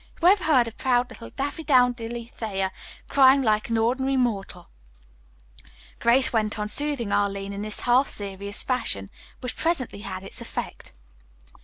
"Whoever heard of proud little Daffydowndilly Thayer crying like an ordinary mortal?" Grace went on soothing Arline in this half serious fashion, which presently had its effect.